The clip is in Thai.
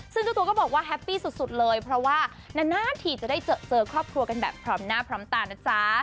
ซึ่งเจ้าตัวก็บอกว่าแฮปปี้สุดเลยเพราะว่านานทีจะได้เจอครอบครัวกันแบบพร้อมหน้าพร้อมตานะจ๊ะ